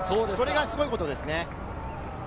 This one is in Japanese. それがすごいことですね。